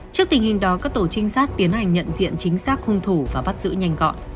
trước tình hình đó các tổ trinh sát tiến hành nhận diện chính xác hung thủ và bắt giữ nhanh gọn